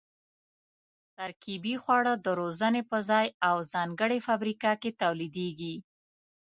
ترکیبي خواړه د روزنې په ځای او ځانګړې فابریکه کې تولیدېږي.